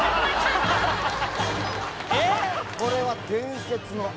これは。